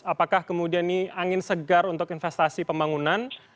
apakah kemudian ini angin segar untuk investasi pembangunan